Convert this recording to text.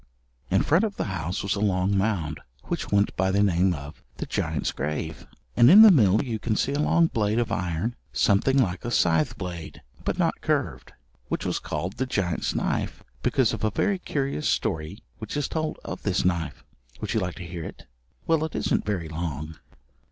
In front of the house was a long mound which went by the name of "the giant's grave," and in the mill you can see a long blade of iron something like a scythe blade, but not curved, which was called "the giant's knife," because of a very curious story which is told of this knife. Would you like to hear it? Well, it isn't very long.